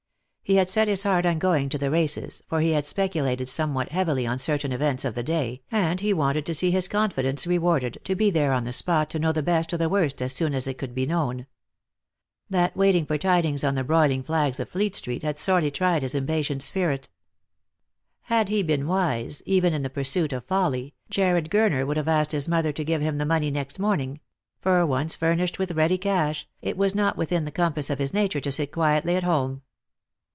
He had set his heart on going to the races, for he had speculated some what heavily on certain events of the day, and he wanted to see his confidence rewarded, to be there on the spot to know the best or the worst as soon as it could be known. That waiting for tidings on the broiling flags of Meet street had sorely tried his impatient spirit. Had he been wise, even in the pursuit of folly, Jarred Gurner would have asked his mother to give him the money next morning ; for once furnished with ready cash, it was not within the compass of his nature to sit quietly at home.